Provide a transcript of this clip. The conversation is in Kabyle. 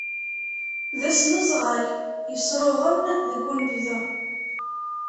D ass n uzɣal yesruɣen deg unebdu.